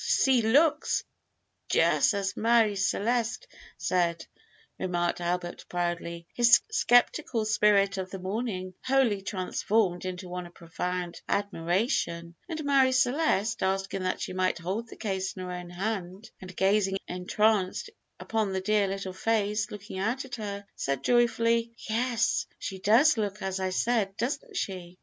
[Illustration: 0147] "Se looks jus' as Marie Celeste said," remarked Albert proudly, his sceptical spirit of the morning wholly transformed into one of profound admiration; and Marie Celeste, asking that she might hold the case in her own hand, and gazing entranced upon the dear little face looking out at her, said joyfully, "Yes, she does look as I said, doesn't she?"